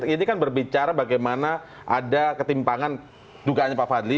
ini kan berbicara bagaimana ada ketimpangan dugaannya pak fadli